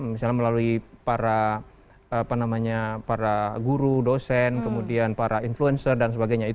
misalnya melalui para guru dosen kemudian para influencer dan sebagainya